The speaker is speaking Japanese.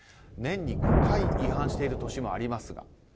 年に５回違反している年もありますが？